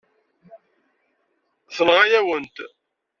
Tenɣa-yawen-t.